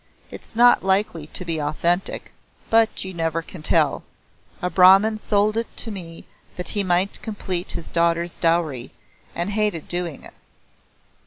It's not likely to be authentic, but you never can tell. A Brahman sold it to me that he might complete his daughter's dowry, and hated doing it."